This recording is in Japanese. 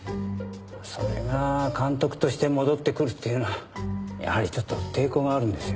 それが監督として戻ってくるというのはやはりちょっと抵抗があるんですよ。